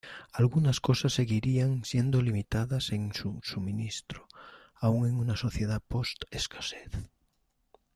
Algunas cosas seguirían siendo limitadas en su suministro, aun en una sociedad post-escasez.